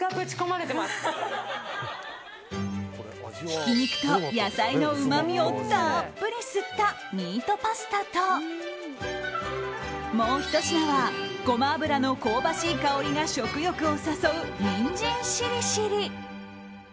ひき肉と野菜のうまみをたっぷり吸ったミートパスタともうひと品は、ゴマ油の香ばしい香りが食欲を誘うニンジンしりしり。